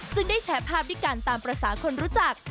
ซึ่งได้แชร์ภาพด้วยกันตามภาษาคนรู้จัก